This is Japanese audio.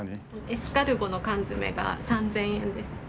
エスカルゴの缶詰が３０００円です。